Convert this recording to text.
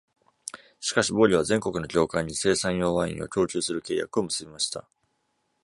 しかし、ボーリュは全国の教会に聖餐用ワインを供給する契約を結びました。